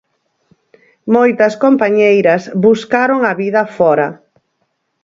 Moitas compañeiras buscaron a vida fóra.